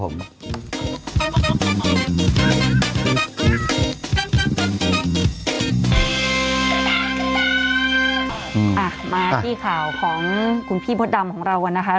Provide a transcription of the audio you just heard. มาที่ข่าวของคุณพี่มดดำของเรากันนะคะ